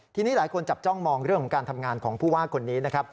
ทีนี้หลายคนจับจ้องมองเรื่องของการทำงานของผู้ว่าคนนี้นะครับ